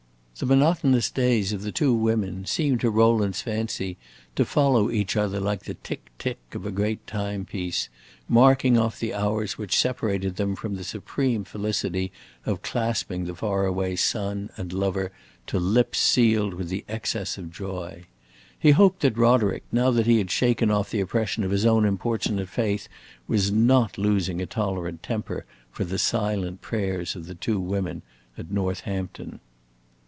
The monotonous days of the two women seemed to Rowland's fancy to follow each other like the tick tick of a great time piece, marking off the hours which separated them from the supreme felicity of clasping the far away son and lover to lips sealed with the excess of joy. He hoped that Roderick, now that he had shaken off the oppression of his own importunate faith, was not losing a tolerant temper for the silent prayers of the two women at Northampton.